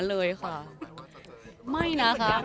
บางทีเค้าแค่อยากดึงเค้าต้องการอะไรจับเราไหล่ลูกหรือยังไง